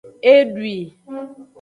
E dwui.